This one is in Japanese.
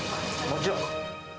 もちろん！